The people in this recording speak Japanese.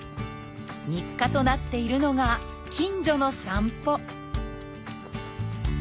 日課となっているのが近所の散歩